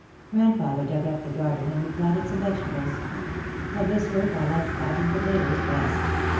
Grandfather dug up the garden and we planted some vegetables. Of this work I liked planting potatoes best.